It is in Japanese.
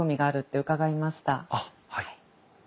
あっはい。